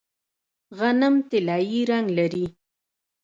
غنم طلایی رنګ لري.